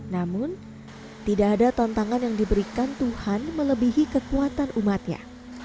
namun tidak ada tantangan yang diberikan tuhan melebihi kekuatan umatnya